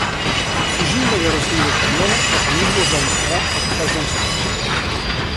Fugint la guerra civil espanyola, la família es va instal·lar a l'estat francès.